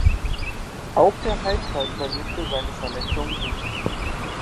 Auch der Heizer überlebte seine Verletzungen nicht.